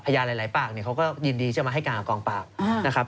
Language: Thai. พญานหลายปากเนี่ยเขาก็ยินดีจะมาให้การกองปากนะครับ